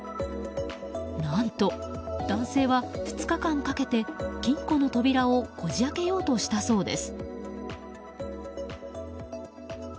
何と男性は２日間かけて金庫の扉をこじ開けようとしたそうです。